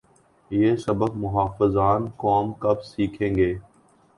یہ سبق محافظان قوم کب سیکھیں گے؟